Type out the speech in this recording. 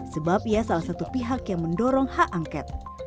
sebab ia salah satu pihak yang mendorong hak angket